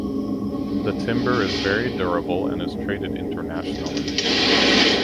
The timber is very durable and is traded internationally.